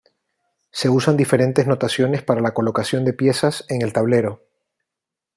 Se usan diferentes notaciones para la colocación de piezas en el tablero.